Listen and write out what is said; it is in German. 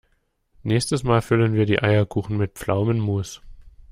Nächstes Mal füllen wir die Eierkuchen mit Pflaumenmus.